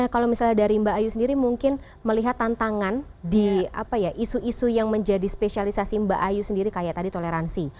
kalau misalnya dari mbak ayu sendiri mungkin melihat tantangan di apa ya isu isu yang menjadi spesialisasi mbak ayu sendiri kayak tadi toleransi